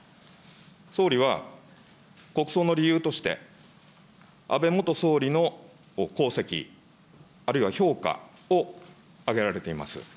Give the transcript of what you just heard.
総理は国葬の理由として、安倍元総理の功績、あるいは評価を挙げられています。